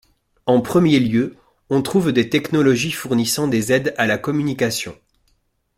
En premier lieu on trouve des technologies fournissant des aides à la communication.